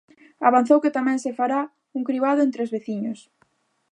Avanzou que tamén se fará un cribado entre os veciños.